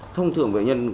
thông thường bệnh nhân